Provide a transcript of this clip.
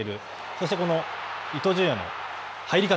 そして、この伊東純也の入り方。